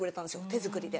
手作りで。